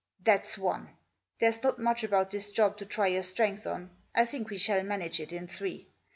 " That's one. There's not much about this job to try your strength on. I think we shall manage it in three.